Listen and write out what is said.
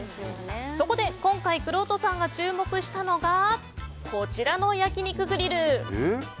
そこで今回くろうとさんが注目したのがこちらの焼き肉グリル。